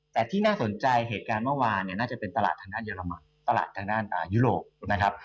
แต่ที่น่าสนใจเหตุการณ์เมื่อวานเนี่ยน่าจะเป็นตลาดทางด้านเยอรมันตลาดทางด้านยุโรปนะครับ